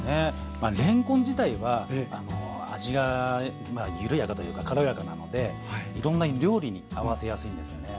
まあれんこん自体は味が緩やかというか軽やかなのでいろんな料理に合わせやすいんですよね。